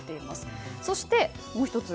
そして、もう１つ。